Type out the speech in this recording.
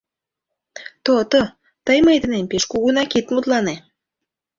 То-то, тый мый денем пеш кугунак ит мутлане.